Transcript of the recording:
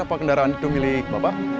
apa kendaraan itu milik bapak